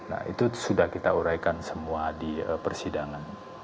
nah itu sudah kita uraikan semua di persidangan